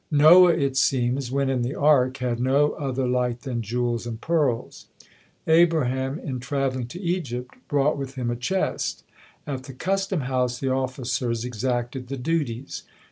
Noah, it seems, when in the ark, had no other light than jewels and pearls. Abraham, in travelling to Egypt, brought with him a chest. At the custom house the officers exacted the duties.